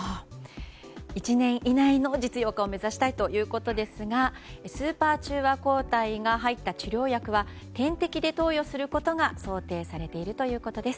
１年以内の実用化を目指したいということですがスーパー中和抗体が入った治療薬は点滴で投与することが想定されているということです。